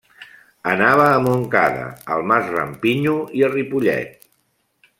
Anava a Montcada, al Mas Rampinyo i a Ripollet.